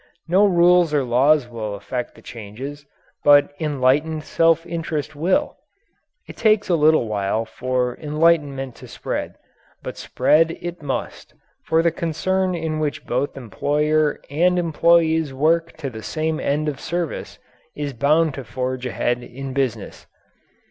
No rules or laws will effect the changes. But enlightened self interest will. It takes a little while for enlightenment to spread. But spread it must, for the concern in which both employer and employees work to the same end of service is bound to forge ahead in business.